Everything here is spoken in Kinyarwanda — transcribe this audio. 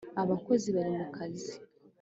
Abakozi bari mu kazi